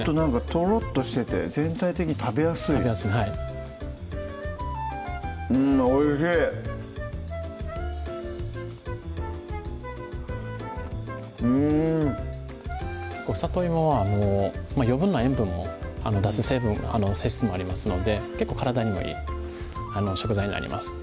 トロッとしてて全体的に食べやすい食べやすいはいうんおいしいうんさといもは余分な塩分を出す性質もありますので結構体にもいい食材になります